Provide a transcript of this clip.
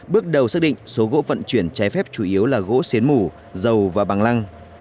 bước đầu xác định số gỗ vận chuyển trái phép chủ yếu là gỗ xến mủ dầu và bằng lăng